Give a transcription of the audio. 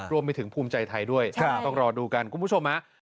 รวมไปถึงภูมิใจไทยด้วยต้องรอดูกันคุณผู้ชมฮะ